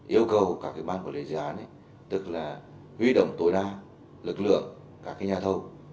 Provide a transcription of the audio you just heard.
yêu cầu các cái bán của lễ dự án tức là huy động tối đa lực lượng các cái nhà thông